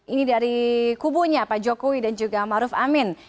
ini dari kubunya pak jokowi dan juga maruf amin